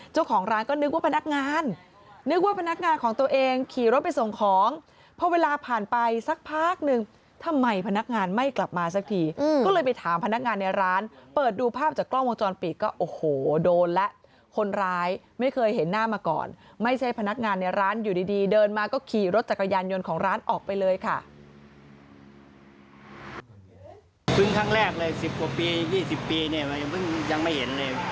เจ้าของร้านก็นึกว่าพนักงานนึกว่าพนักงานของตัวเองขี่รถไปส่งของเพราะเวลาผ่านไปสักพักหนึ่งทำไมพนักงานไม่กลับมาสักทีก็เลยไปถามพนักงานในร้านเปิดดูภาพจากกล้องวงจรปิดก็โอ้โหโหโหโหโหโหโหโหโหโหโหโหโหโหโหโหโหโหโหโหโหโหโหโหโหโหโหโหโหโหโหโหโหโหโหโหโหโหโหโหโหโ